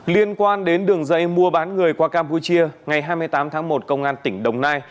liên quan đến đường dây mua bán người qua campuchia ngày hai mươi tám tháng một công an tỉnh đồng nai